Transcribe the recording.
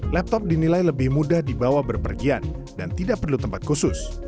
laptop dinilai lebih mudah dibawa berpergian dan tidak perlu tempat khusus